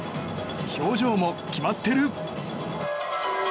表情も決まっている！